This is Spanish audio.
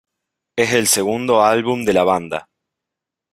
Es el segundo álbum de la banda.